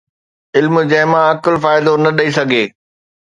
علم جنهن مان عقل فائدو نه ڏئي سگهي